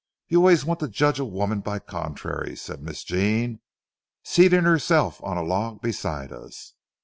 "You always want to judge a woman by contraries," said Miss Jean, seating herself on the log beside us.